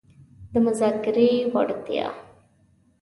-د مذاکرې وړتیا